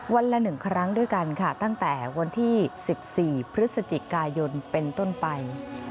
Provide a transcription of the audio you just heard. ละ๑ครั้งด้วยกันค่ะตั้งแต่วันที่๑๔พฤศจิกายนเป็นต้นไป